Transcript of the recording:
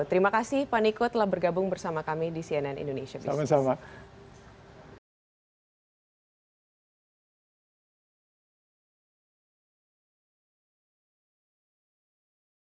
terima kasih pak niko telah bergabung bersama kami di cnn indonesia business